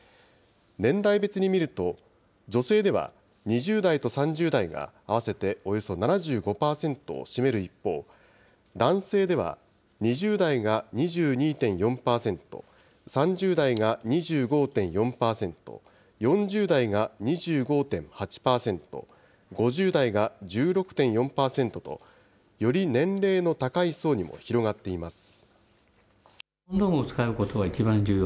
年代別に見ると、女性では２０代と３０代が合わせておよそ７５％を占める一方、男性では２０代が２２．４％、３０代が２５．４％、４０代が２５．８％、５０代が１６．４％と、より年齢の高い層にも広がっています。